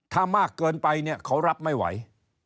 ถ้ามากเกินไปเขารับไม่ไหว